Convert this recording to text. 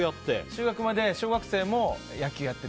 中学、小学生も野球をやってて。